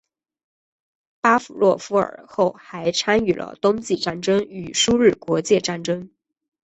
巴甫洛夫尔后还参与了冬季战争与苏日国界战争。